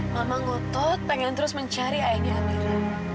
mama ngotot pengen terus mencari ayahnya dulu